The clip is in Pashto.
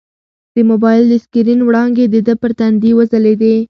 د موبایل د سکرین وړانګې د ده پر تندي وځلېدې.